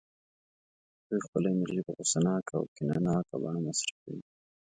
دوی خپله انرژي په غوسه ناکه او کینه ناکه بڼه مصرفوي